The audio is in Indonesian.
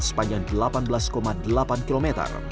sepanjang delapan belas delapan km